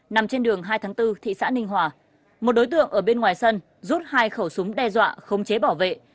nằm trên đường hai tháng bốn thị xã ninh hòa một đối tượng ở bên ngoài sân rút hai khẩu súng đe dọa khống chế bảo vệ